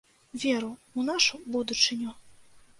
Веру ў нашу будучыню!